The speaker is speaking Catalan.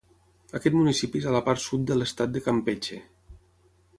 Aquest municipi és a la part sud de l'estat de Campeche.